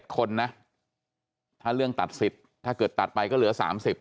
คนนะถ้าเรื่องตัดสิทธิ์ถ้าเกิดตัดไปก็เหลือ๓๐